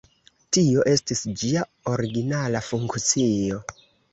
Tio estis ĝia originala funkcio.